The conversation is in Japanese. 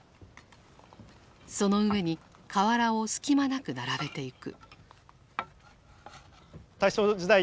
その上に瓦を隙間なく並べていく。